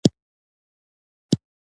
د خامو موادو صادرات تاوان دی.